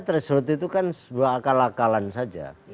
treshold itu kan sebuah kalakalan saja